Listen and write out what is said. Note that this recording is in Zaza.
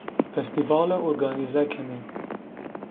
Festîvale organîze kenê